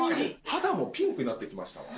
肌もピンクになってきましたわ。